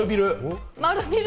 丸ビル？